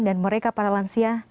dan mereka paralansia